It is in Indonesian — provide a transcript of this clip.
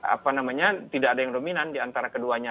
apa namanya tidak ada yang dominan di antara keduanya